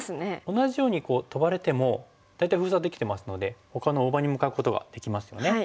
同じようにトバれても大体封鎖できてますのでほかの大場に向かうことができますよね。